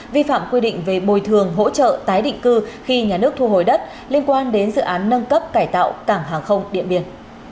vi phạm quy định về bồi thường hỗ trợ tái định cư khi nhà nước thu hồi đất liên quan đến dự án nâng cấp cải tạo cảng hàng không điện biên